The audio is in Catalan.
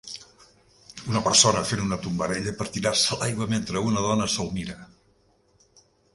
Una persona fent una tombarella per tirar-se a l'aigua mentre una dona se'l mira.